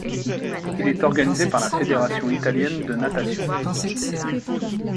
Il est organisé par la Fédération italienne de natation.